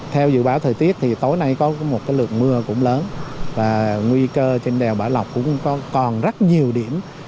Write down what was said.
theo dự báo thời tiết thì tối nay có một lượng mưa cũng lớn và nguy cơ trên đèo bảo lộc cũng còn rất nhiều điểm